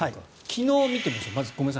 昨日から見てみましょう。